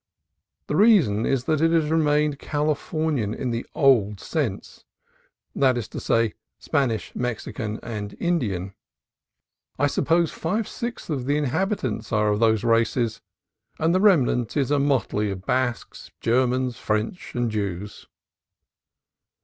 The reason is that it has remained Californian in the old sense, that is to say, Spanish, Mexican, and Indian. I suppose five sixths of the inhabitants are of those races, and the remnant is a motley of Basques, Germans, French, and Jews.